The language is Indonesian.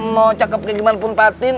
mau cakep kayak gimana pun patin